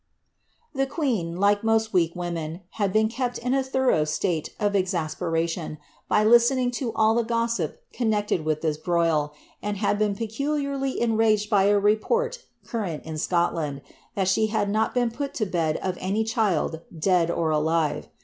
The queen, like most weak women, had been kept in a thorough state of exasperation by listening to all the gossip connected with this broil, and had been peculiarly enraged by a report current in Scotland, that she had not been put to bed of any child, dead or alive.